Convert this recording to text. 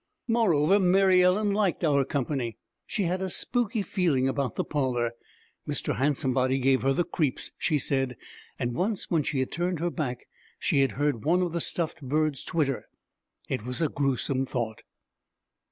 Moreover, Mary Ellen liked our company. She had a spooky feeling about the parlor. Mr. Handsomebody gave her the creeps, she said; and once when she had turned her back she had heard one of the stuffed birds twitter. It was a gruesome thought.